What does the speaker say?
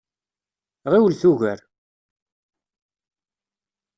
Ɣiwlet ugar!